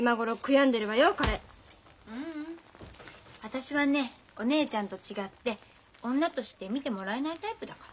ううん私はねお姉ちゃんと違って女として見てもらえないタイプだから。